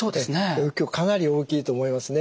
影響かなり大きいと思いますね。